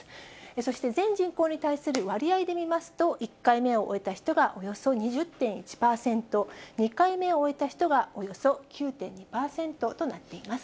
そして全人口に対する割合で見ますと、１回目を終えた人がおよそ２０．１％、２回目を終えた人がおよそ９．２％となっています。